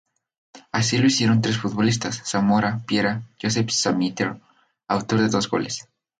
Así lo hicieron tres futbolistas: Zamora, Piera y Josep Samitier, autor de dos goles.